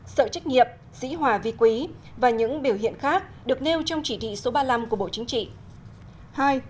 sợ trách nhiệm dĩ hòa vi quý và những biểu hiện khác được nêu trong chỉ thị số ba mươi năm của bộ chính trị